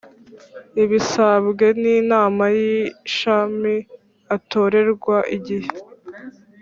ibisabwe n inama y ishami Atorerwa igihe